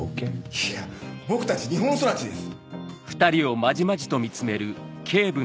いや僕たち日本育ちです。